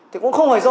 thì cũng không hề do